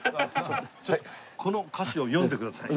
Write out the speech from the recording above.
ちょっとこの歌詞を読んでください。